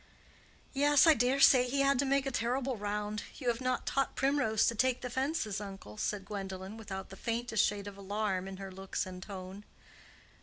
"Yes, I dare say he had to make a terrible round. You have not taught Primrose to take the fences, uncle," said Gwendolen, without the faintest shade of alarm in her looks and tone.